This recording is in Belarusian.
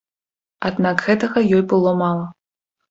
Аднак гэтага ёй было мала.